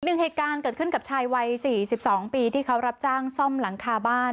เหตุการณ์เกิดขึ้นกับชายวัย๔๒ปีที่เขารับจ้างซ่อมหลังคาบ้าน